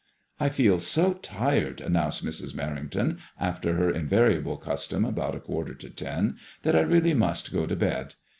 " I feel so tired," announced Mrs. Merrington, after her in variable custom, about a quarter to ten, " that I really must go to bed.